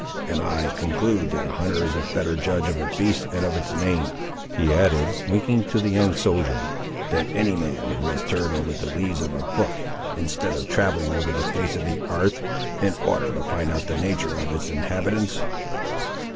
And, I conclude, that a hunter is a better judge of a beast and of its name," he added, winking to the young soldier, "than any man who has turned over the leaves of a book, instead of travelling over the face of the 'arth, in order to find out the natur's of its inhabitants."